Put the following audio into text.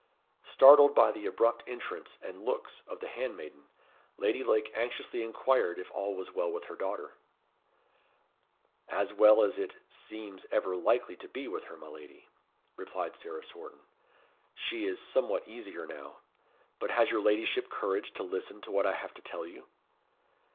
Startled by the abrupt entrance and looks of the handmaiden, Lady Lake anxiously inquired if all was well with her daughter. "As well as it, seems ever likely to be with her, my lady," replied Sarah Swarton. "She is somewhat easier now. But has your ladyship courage to listen to what I have to tell you?"